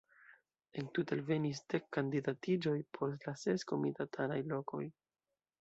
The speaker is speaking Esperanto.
Entute alvenis dek kandidatiĝoj por la ses komitatanaj lokoj.